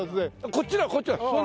こっちだこっちだ。